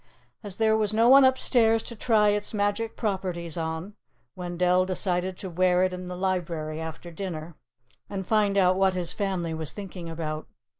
As there was no one upstairs to try its magic properties on, Wendell decided to wear it in the library after dinner, and find out what his family was thinking about.